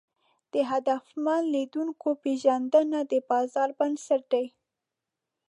د هدفمن لیدونکو پېژندنه د بازار بنسټ ده.